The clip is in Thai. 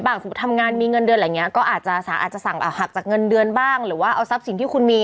ถ้าไม่มีเงินจ่ายคืนก็คือติดคุก